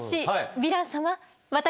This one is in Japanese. ヴィラン様